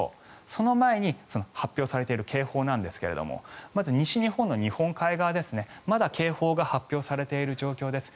その前に発表されている警報なんですがまず、西日本の日本海側ですまだ警報が発表されている状況です。